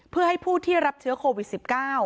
เพื่อให้ผู้ที่รับเชื้อโควิด๑๙